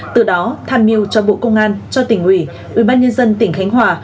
từ đó tham mưu cho bộ công an cho tỉnh ủy ủy ban nhân dân tỉnh khánh hòa